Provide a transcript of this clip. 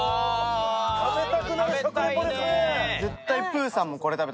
食べたくなる食リポですね！